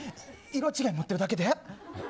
色違い持ってるだけで。